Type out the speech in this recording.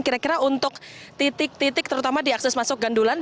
kira kira untuk titik titik terutama diakses masuk gandulan